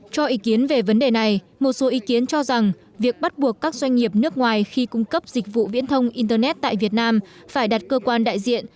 cho ý kiến về vấn đề này một số ý kiến cho rằng việc bắt buộc các doanh nghiệp nước ngoài khi cung cấp dịch vụ viễn thông internet tại việt nam phải đặt cơ quan đại diện